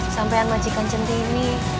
sampai anmajikan centini